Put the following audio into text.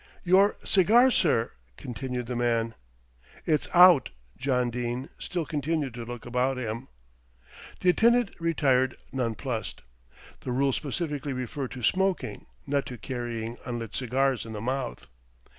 "Your cigar, sir," continued the man. "It's out." John Dene still continued to look about him. The attendant retired nonplussed. The rule specifically referred to smoking, not to carrying unlit cigars in the mouth.